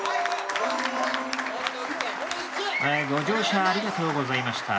ご乗車ありがとうございました。